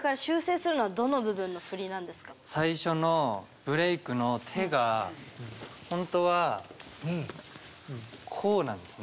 最初のブレイクの手がほんとはこうなんですね。